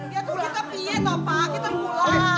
ya tuh kita piet pak kita pulang